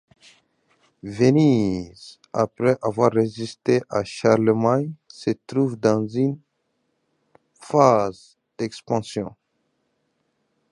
Venise, après avoir résisté à Charlemagne, se trouve dans une phase d’expansion.